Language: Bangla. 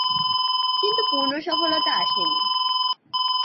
কিন্তু পূর্ণ সফলতা আসেনি।